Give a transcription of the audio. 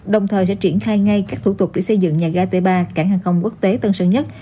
đồng thời sẽ triển khai ngay các thủ tục để xây dựng nhà ga t ba cảng hàng không quốc tế tân sơn nhất